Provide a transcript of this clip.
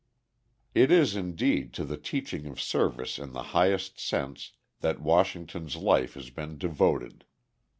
It is, indeed, to the teaching of service in the highest sense that Washington's life has been devoted.